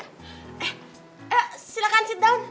eh eh silahkan sit down